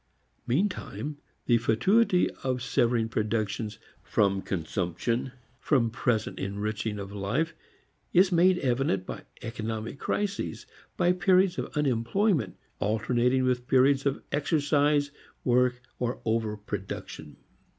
Meantime the fatuity of severing production from consumption, from present enriching of life, is made evident by economic crises, by periods of unemployment alternating with periods of exercise, work or "over production."